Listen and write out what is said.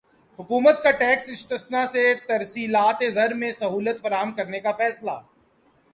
حکومت کا ٹیکس استثنی سے ترسیلات زر میں سہولت فراہم کرنے کا فیصلہ